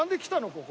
ここ。